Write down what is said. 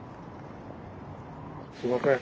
すみません。